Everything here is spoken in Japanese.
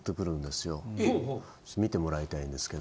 見てもらいたいんですけど。